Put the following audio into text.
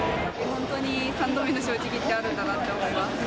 本当に３度目の正直ってあるんだなって思います。